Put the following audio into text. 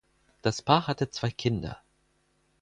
Das Paar hatte zwei Kinder.